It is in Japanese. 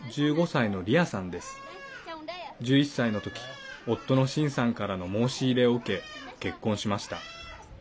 １１歳のとき夫のシンさんからの申し入れを受け、結婚しました。